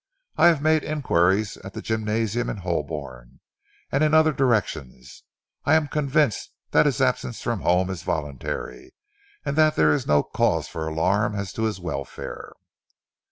I have made enquiries at the gymnasium in Holborn, and in other directions. I am convinced that his absence from home is voluntary, and that there is no cause for alarm as to his welfare."